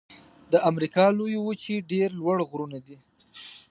د امریکا لویې وچې ډېر لوړ غرونه دي.